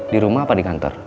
di rumah apa di kantor